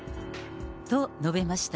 と、述べました。